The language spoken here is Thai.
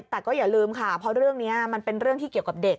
แต่ก็อย่าลืมค่ะเพราะเรื่องนี้มันเป็นเรื่องที่เกี่ยวกับเด็ก